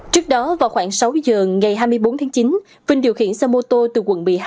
trước đó vào khoảng sáu giờ ngày hai mươi bốn tháng chín vinh điều khiển xe mô tô từ quận một mươi hai